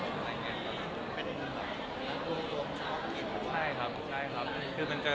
ใช่ครับใช่ครับ